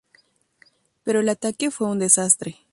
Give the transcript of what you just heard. Pero el ataque fue un desastre.